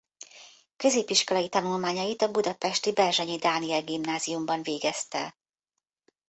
Középiskolai tanulmányait a budapesti Berzsenyi Dániel Gimnáziumban végezte.